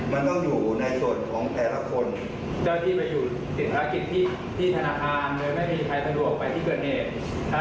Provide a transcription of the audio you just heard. มันต้องอยู่ในส่วนของแพร่ละคนเจ้าที่ไปอยู่ไม่มีใครสะดวกไปที่เบา